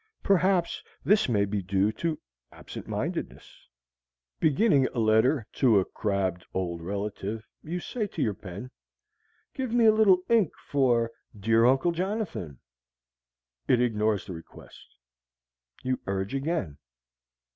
Perhaps this may be due to absent mindedness. Beginning a letter to a crabbed old relative, you say to your pen, "Give me a little ink for 'Dear Uncle Jonathan.'" It ignores the request. You urge again.